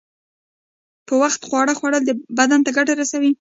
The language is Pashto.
په وخت خواړه خوړل بدن ته گټه رسوي.